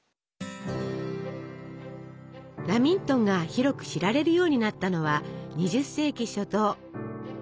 ラミントンが広く知られるようになったのは２０世紀初頭。